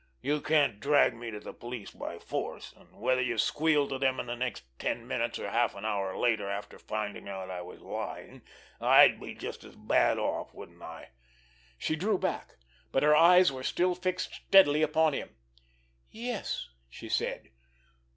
You can't drag me to the police by force, and whether you squealed to them in the next ten minutes, or half an hour later after finding out I was lying, I'd be just as bad off, wouldn't I?" She drew back—but her eyes were still fixed steadily upon him. "Yes," she said.